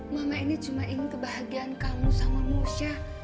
mama ini cuma ingin kebahagiaan kamu sama musyah